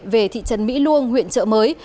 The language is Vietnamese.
về thị trấn mỹ luông huyện trợ mới